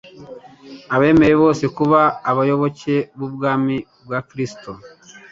Abemeye bose kuba abayoboke b'ubwami bwa Kristo